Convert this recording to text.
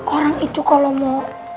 orang itu kalau mau